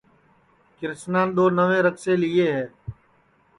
کرشنان دؔو نئوئے رکسے لیئے ہے